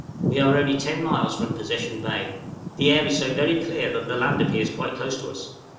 We are only ten miles from Possession Bay. The air is so very clear that the land appears quite close to us.